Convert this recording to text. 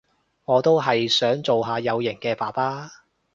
我都係想做下有型嘅阿爸